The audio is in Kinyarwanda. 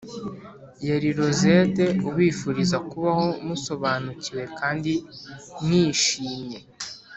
yari rosette ubifuriza kubaho musobanukiwe kandi mwishimye!